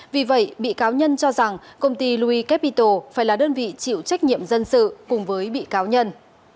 vì vậy bị cáo nhân cho rằng công ty loui capito phải là đơn vị chịu trách nhiệm dân sự cùng với bị cáo nhân